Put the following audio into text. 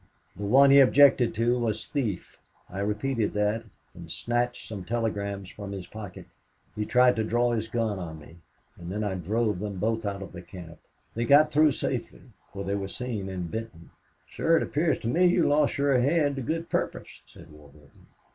The one he objected to was thief... I repeated that, and snatched some telegrams from his pocket. He tried to draw his gun on me and then I drove them both out of camp. They got through safely, for they were seen in Benton." "Sir, it appears to me you lost your head to good purpose," said Warburton.